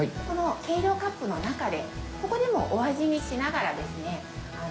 この計量カップの中でここでもお味見しながらですね